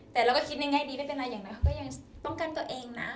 แต่เราก็คิดในแง่ดีไม่เป็นไรอย่างนั้นเขาก็ยังป้องกันตัวเองนะ